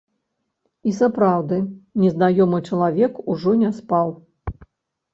І сапраўды незнаёмы чалавек ужо не спаў.